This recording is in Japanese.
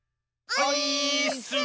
オイーッス！